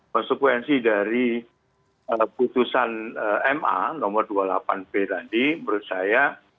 konsekuensi dari putusan ma nomor dua puluh delapan b tadi menurut saya